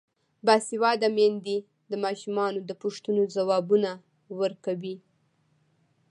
باسواده میندې د ماشومانو د پوښتنو ځوابونه ورکوي.